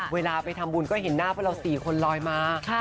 เวลาไปทำบุญก็เห็นหน้าพวกเรา๔คนลอยมา